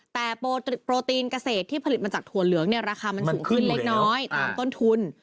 แต่โปรตีนเกษตรที่ผลิตมาจากถั่วเหลืองเนี่ยราคามันสูงขึ้นเล็กน้อยตามต้นทุน